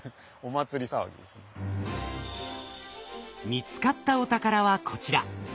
見つかったお宝はこちら。